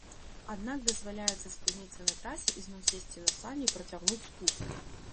Аднак дазваляецца спыніцца на трасе, ізноў сесці на сані і працягнуць спуск.